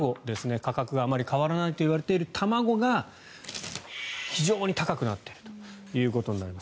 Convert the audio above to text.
価格があまり変わらないといわれている卵が非常に高くなっているということになります。